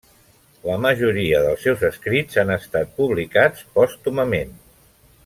La majoria dels seus escrits han estat publicats pòstumament.